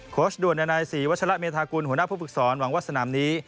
ด่วนนานัยศรีวัชละเมธากุลหัวหน้าผู้ฝึกศรหวังว่าสนามนี้